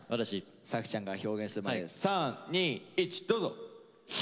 作ちゃんが表現するまで３２１どうぞ！